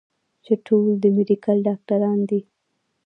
چې ټول د ميډيکل ډاکټران دي